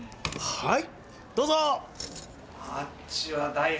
はい！